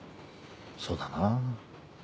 そうだなぁ。